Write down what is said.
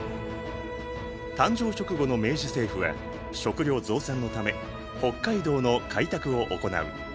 誕生直後の明治政府は食料増産のため北海道の開拓を行う。